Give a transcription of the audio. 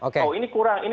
oh ini kurang